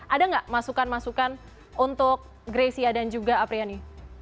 ada nggak masukan masukan untuk greysia dan juga apriani